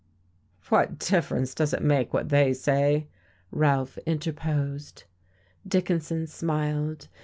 "What difference does it make what they say?" Ralph interposed. Dickinson smiled.